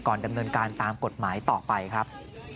ดำเนินการตามกฎหมายต่อไปครับ